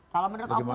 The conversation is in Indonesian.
kalau menurut opung